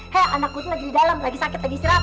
he anak gua tuh lagi di dalam lagi sakit lagi isyarat